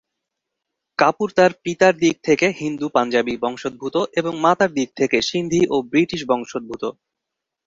কাপুর তার পিতার দিক থেকে হিন্দু পাঞ্জাবি বংশোদ্ভূত এবং মাতার দিক থেকে সিন্ধি ও ব্রিটিশ বংশোদ্ভূত।